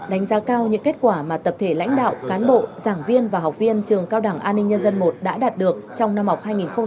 đánh giá cao những kết quả mà tập thể lãnh đạo cán bộ giảng viên và học viên trường cao đảng an ninh nhân dân i đã đạt được trong năm học hai nghìn một mươi chín hai nghìn hai mươi